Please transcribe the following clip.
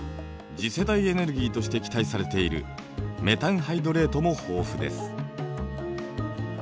次世代エネルギーとして期待されているメタンハイドレートも豊富です。